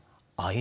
あ。